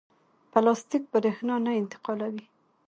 پلاستیک برېښنا نه انتقالوي.